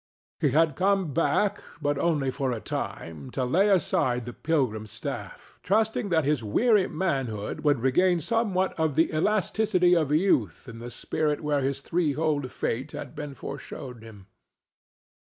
He had come back, but only for a time, to lay aside the pilgrim's staff, trusting that his weary manhood would regain somewhat of the elasticity of youth in the spot where his threefold fate had been foreshown him.